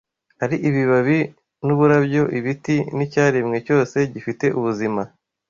ari ibibabi n’uburabyo, ibiti n’icyaremwe cyose gifite ubuzima